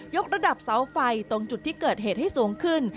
กระดับเสาไฟตรงจุดที่เกิดเหตุให้สูงขึ้น